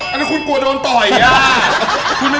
แต่ว่าคุณกลัวโดนต่อยอ่ะ